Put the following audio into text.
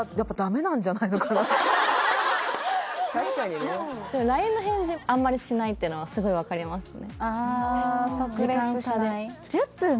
確かにねＬＩＮＥの返事あんまりしないっていうのはすごい分かりますね